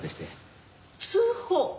通報！？